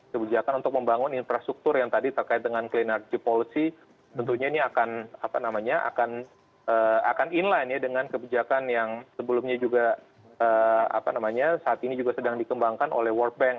kebijakan untuk membangun infrastruktur yang tadi terkait dengan clean energy policy tentunya ini akan inline ya dengan kebijakan yang sebelumnya juga saat ini juga sedang dikembangkan oleh world bank